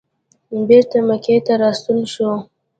بېرته مکې ته راستون شو.